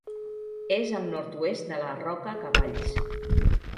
És al nord-oest de la Roca Cavalls.